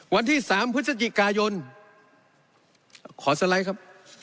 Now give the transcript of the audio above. วันที่๓พฤศจิกายนขอสไลด์ครับ